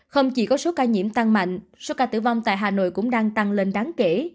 không chỉ có số ca nhiễm tăng mạnh số ca tử vong tại hà nội cũng đang tăng lên đáng kể